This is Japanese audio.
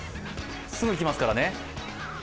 すぐ来ますからね。